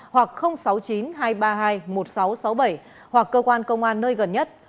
hoặc sáu mươi chín hai trăm ba mươi hai một nghìn sáu trăm sáu mươi bảy hoặc cơ quan công an nơi gần nhất